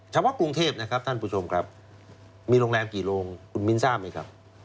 เฉพาะกรุงเทพนะครับท่านผู้ชมครับมีโรงแรมกี่โรงคุณมิ้นทราบไหมครับ